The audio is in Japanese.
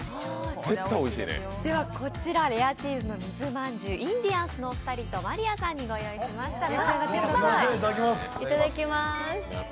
こちらレアチーズの水まんじゅうインディアンスのお二人と真莉愛さんにご用意しました。